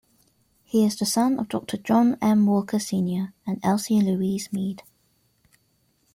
He is the son of Doctor John M. Walker Senior and Elsie Louise Mead.